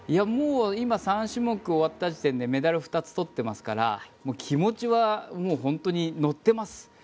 今、３種目終わった時点でメダル２つ取ってますから気持ちは本当に乗ってます。